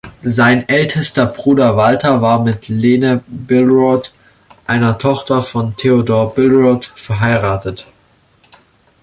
Sein ältester Bruder Walter war mit Lene Billroth, einer Tochter von Theodor Billroth verheiratet.